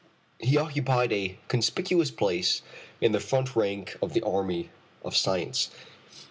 He occupied a conspicuous place in the front rank of the army of science.